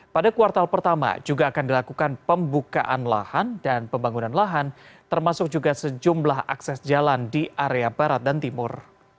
pada kuartal pertama juga akan dilakukan pembukaan lahan dan pembangunan lahan termasuk juga sejumlah akses jalan di area barat dan timur